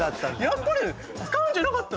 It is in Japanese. やっぱり使うんじゃなかった。